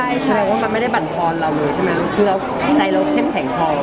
หมายความว่ามันไม่ได้บรรพอนเราเลยใช่ไหมคือใจเราเข้าแข็งคลอ